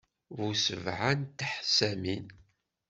Bu sebɛa n teḥzamin.